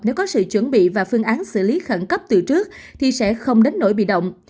nếu có sự chuẩn bị và phương án xử lý khẩn cấp từ trước thì sẽ không đến nỗi bị động